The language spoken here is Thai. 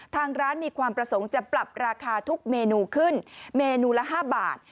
ทางร้านมีความประสงค์จะปรับราคาทุกเมนูขึ้นเมนูละ๕บาท